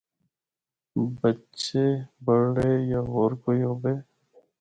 بچے، بڑے یا ہور کوئی ہوّے۔